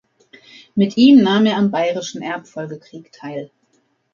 Mit ihm nahm er am Bayerischen Erbfolgekrieg teil.